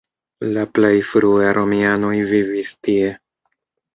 La plej frue romianoj vivis tie.